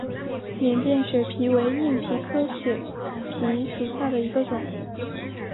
缅甸血蜱为硬蜱科血蜱属下的一个种。